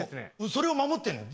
それを守ってるのよ。